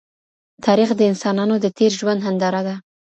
تاریخ د انسانانو د تېر ژوند هنداره ده.